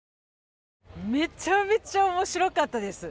めちゃめちゃ面白かったです。